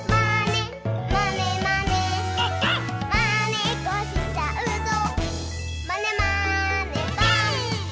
「まねっこしちゃうぞまねまねぽん！」